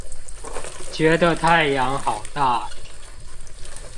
覺得太陽好大